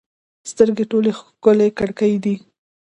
سترګې ټولو ښکلې کړکۍ دي.